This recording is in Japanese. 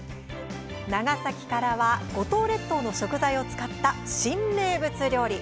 長崎からは、五島列島の食材を使った新名物料理。